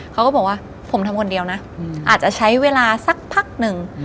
เขาก็บอกว่าผมทำคนเดียวนะอาจจะใช้เวลาสักพักหนึ่ง